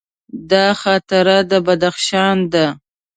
دا خاطره د بدخشان ده.